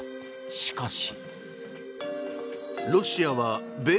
しかし。